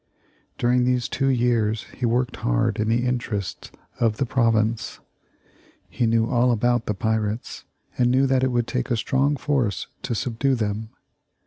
During these two years he worked hard in the interests of the province. He knew all about the pirates, and knew that it would take a strong force to subdue them.